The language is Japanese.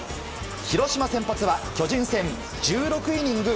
広島、先発は巨人戦１６イニング